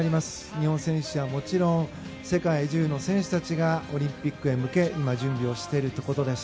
日本選手はもちろん世界中の選手たちがオリンピックへ向け今準備をしているということです。